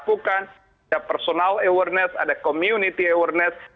kita lakukan ada personal awareness ada community awareness